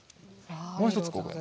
もう一つここに。